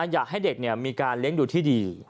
อยากให้เด็กมีการเลี้ยงดูที่ดี